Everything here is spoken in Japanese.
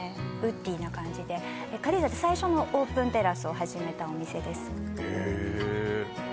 ウッディな感じで軽井沢で最初のオープンテラスを始めたお店ですへえ